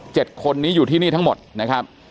คนนี้อยู่ที่นี่ทั้งหมดนะครับ